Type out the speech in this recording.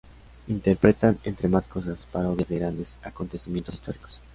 Interpretan, entre más cosas, parodias de grandes acontecimientos históricos.